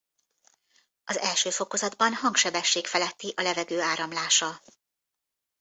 Az első fokozatban hangsebesség feletti a levegő áramlása.